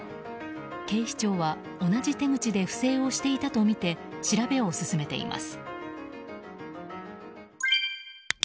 警視庁は同じ手口で不正をしていたとみて調べを進めています。